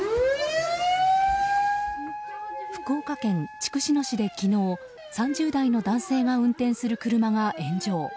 福岡県筑紫野市で昨日３０代の男性が運転する車が炎上。